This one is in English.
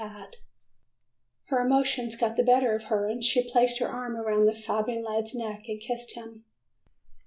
[Illustration: Her emotions got the better of her and she placed her arms around the sobbing lad's neck and kissed him.